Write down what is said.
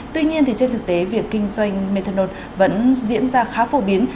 tuy nhiên trên thực tế việc kinh doanh methanol vẫn diễn ra khá phổ biến